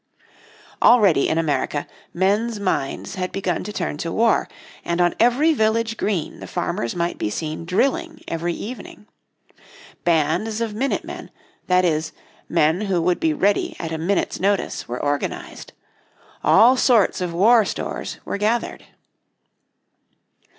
Already in America, men's minds had begun to turn to war, and on every village green the farmers might be seen drilling every evening. Bands of minute men, that is, men who would be ready at a minute's notice, were organised. All sorts of war stores were gathered.